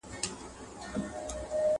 پر دښمن به مو ترخه زندګاني کړه!!